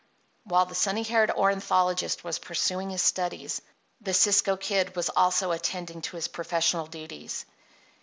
While the sunny haired ornithologist was pursuing his studies the Cisco Kid was also attending to his professional duties.